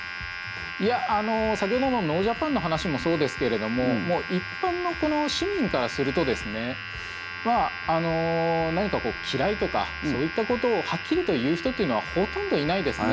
いや、先ほどのノージャパンの話もそうですけどもう一般の市民からすると何か嫌いとかそういったことをはっきりと言う人というのはほとんどいないですね。